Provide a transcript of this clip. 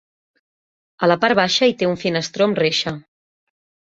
A la part baixa hi té un finestró amb reixa.